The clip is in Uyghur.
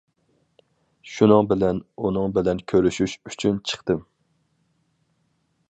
شۇنىڭ بىلەن ئۇنىڭ بىلەن كۆرۈشۈش ئۈچۈن چىقتىم.